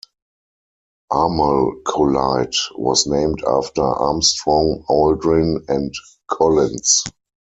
Armalcolite was named after Armstrong, Aldrin, and Collins.